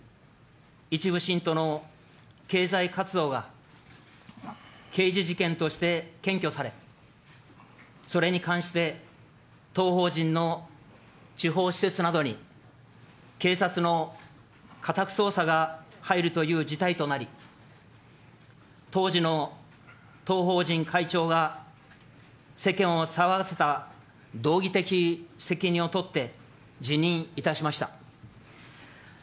一部信徒の経済活動が、刑事事件として検挙され、それに関して当法人の地方施設などに、警察の家宅捜査が入るという事態となり、当時の当法人会長が世間を騒がせた道義的責任を取って辞任いたしました。